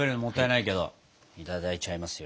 いただいちゃいますよ。